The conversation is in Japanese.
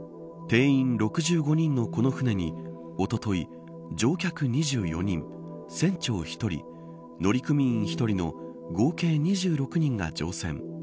定員６５人のこの船におととい乗客２４人船長１人乗組員１人の合計２６人が乗船。